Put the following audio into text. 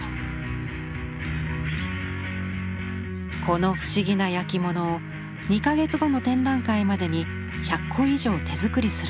この不思議な焼き物を２か月後の展覧会までに１００個以上手作りするのだとか。